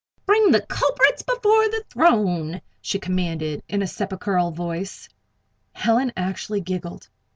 "Bring the culprits before the throne!" she commanded, in a sepulchral voice. Helen actually giggled.